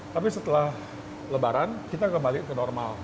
tapi setelah lebaran kita kembali ke normal